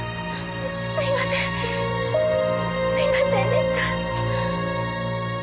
すみませんでした！